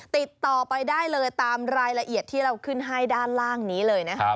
ติดต่อไปได้เลยตามรายละเอียดที่เราขึ้นให้ด้านล่างนี้เลยนะครับ